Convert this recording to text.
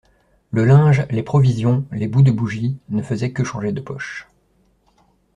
Le linge, les provisions, les bouts de bougie, ne faisaient que changer de poche.